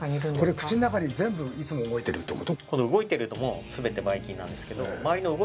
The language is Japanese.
これ口の中で全部いつも動いてるって事？